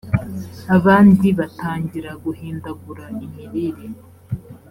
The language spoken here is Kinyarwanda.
abandi batangira guhindagura imirire